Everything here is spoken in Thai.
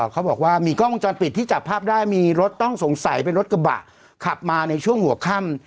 เขาบอกว่ามีกล้องวงจรปิดที่จับภาพได้มีรถต้องสงสัยเป็นรถกระบะขับมาในช่วงหัวค่ำ